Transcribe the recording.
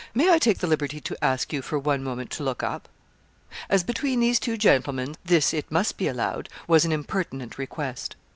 May I take the liberty to ask you for one moment to look up?' As between these two gentlemen, this, it must be allowed, was an impertinent request.